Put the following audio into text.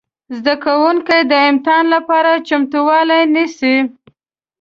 زده کوونکي د امتحان لپاره چمتووالی نیسي.